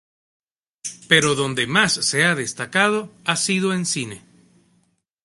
Pero donde más se ha destacado ha sido en cine.